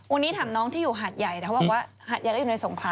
วันนี้ถามน้องที่อยู่หาดใหญ่แต่เขาบอกว่าหาดใหญ่ก็อยู่ในสงครา